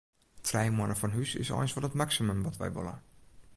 Trije moanne fan hús is eins wol it maksimum wat wy wolle.